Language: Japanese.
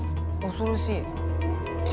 恐ろしい。